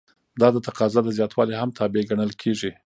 دا د تقاضا د زیاتوالي هم تابع ګڼل کیږي.